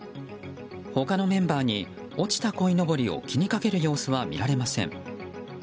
他のメンバーに落ちたこいのぼりを気にかける様子は見られません。